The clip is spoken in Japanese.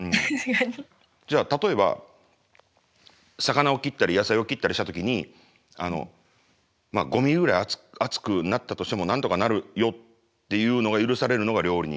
じゃあ例えば魚を切ったり野菜を切ったりした時にまあ５ミリぐらい厚くなったとしてもなんとかなるよっていうのが許されるのが料理人。